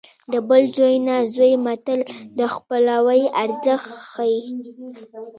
د بل زوی نه زوی متل د خپلوۍ ارزښت ښيي